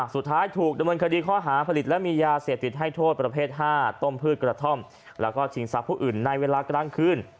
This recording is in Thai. สุดท้ายถูกดำเนินคดีข้อหาผลิตและมียาเสพติดให้โทษประเภท๕ต้มพืชกระท่อมแล้วก็ชิงทรัพย์ผู้อื่นในเวลากลางคืน